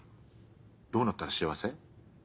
どうなったら幸せ？